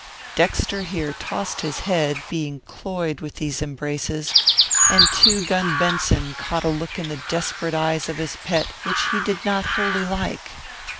Dexter here tossed his head, being cloyed with these embraces, and Two Gun Benson caught a look in the desperate eyes of his pet which he did not wholly like.